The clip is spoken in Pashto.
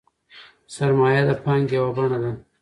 سرمایه د پانګې یوه بڼه ده.